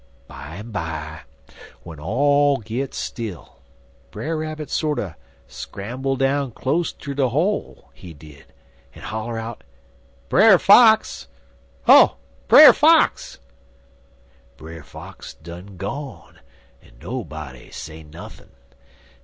Bimeby, w'en all git still, Brer Rabbit sorter scramble down close ter de hole, he did, en holler out: "'Brer Fox! Oh! Brer Fox!' "Brer Fox done gone, en nobody say nuthin'.